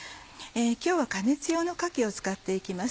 今日は加熱用のかきを使っていきます。